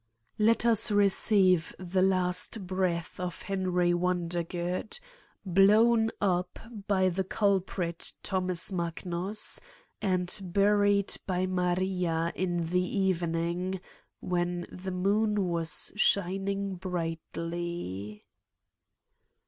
Let us receive the last breath of Henry Won dergood, blown up by the culprit Thomas Magnus, and buried by Maria in the evening, when the moon was shining brightly.